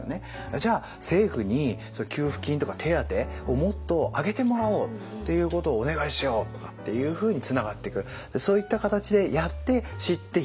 じゃあ政府に給付金とか手当をもっと上げてもらおうっていうことをお願いしよう！とかっていうふうにつながっていく。